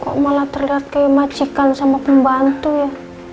kok malah terlihat kayak macekan sama pembantu ya